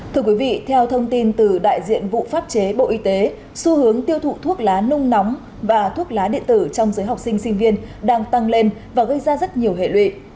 thưa quý vị theo thông tin từ đại diện vụ pháp chế bộ y tế xu hướng tiêu thụ thuốc lá nung nóng và thuốc lá điện tử trong giới học sinh sinh viên đang tăng lên và gây ra rất nhiều hệ lụy